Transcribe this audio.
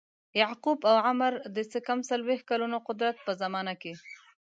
یعقوب او عمرو د څه کم څلویښت کلونو قدرت په زمانه کې.